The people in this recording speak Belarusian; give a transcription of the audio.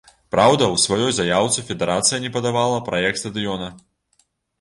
Праўда, у сваёй заяўцы федэрацыя не падавала праект стадыёна.